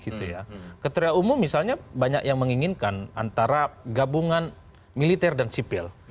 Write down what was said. kriteria umum misalnya banyak yang menginginkan antara gabungan militer dan sipil